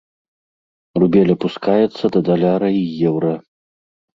Рубель апускаецца да даляра і еўра.